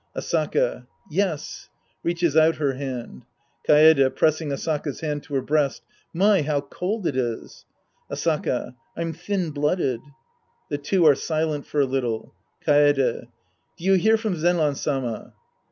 Asaka. Yes. {Reaches out her hand.) Kaede {pressing Asaka's hand to her breast). My, how cold it is ! Asaka. I'm 'thin blooded. {The two are silent for a little^ Kaede. Do you hear from Zenran Sama